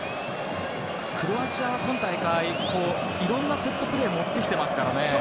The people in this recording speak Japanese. クロアチアは、今大会いろんなセットプレーを持ってきていますからね。